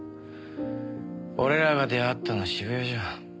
俺らが出会ったの渋谷じゃん。